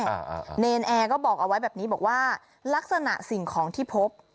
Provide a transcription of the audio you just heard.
อ่าเนรนแอร์ก็บอกเอาไว้แบบนี้บอกว่าลักษณะสิ่งของที่พบ